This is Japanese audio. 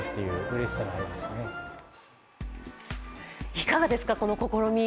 いかがですか、この試み。